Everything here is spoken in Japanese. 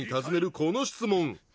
この質問。